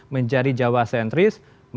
menjadi jawa centris